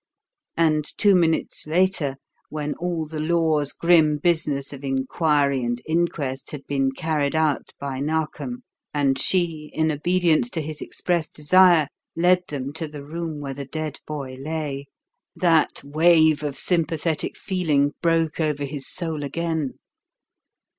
And two minutes later when all the Law's grim business of inquiry and inquest had been carried out by Narkom, and she, in obedience to his expressed desire, led them to the room where the dead boy lay that wave of sympathetic feeling broke over his soul again.